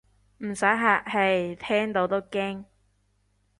唔使客氣，聽到都驚